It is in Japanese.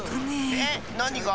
えっなにが？